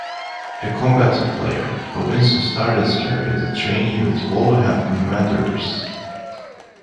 A combative player, Robinson started his career as a trainee with Wolverhampton Wanderers.